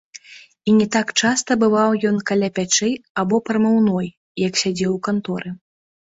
І не так часта бываў ён каля пячэй або прамыўной, як сядзеў у канторы.